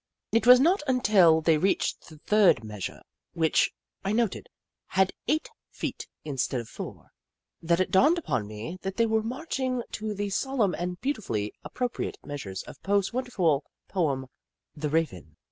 It was not until they reached the third measure, which, I noted, had eight feet instead of four, that it dawned upon me that they were marching to the solemn and beauti fully appropriate measures of Poe's wonderful poem. The Raven.